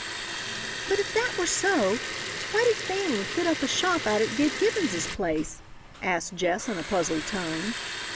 "But if that were so, why did Fanning fit up a shop out at Gid Gibbons's place?" asked Jess in a puzzled tone.